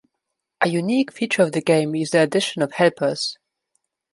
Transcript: A unique feature of the game is the addition of helpers.